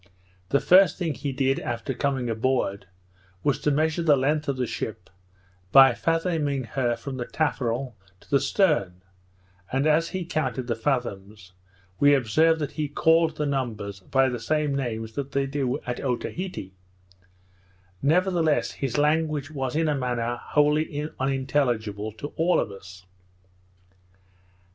The first thing he did after coming a board, was to measure the length of the ship, by fathoming her from the tafferel to the stern, and as he counted the fathoms, we observed that he called the numbers by the same names that they do at Otaheite; nevertheless his language was in a manner wholly unintelligible to all of us.